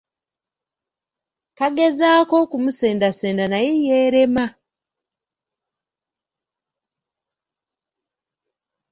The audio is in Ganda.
Kagezaako okumusendasenda naye yeerema.